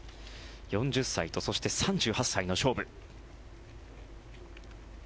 ４０歳とそして３８歳の勝負。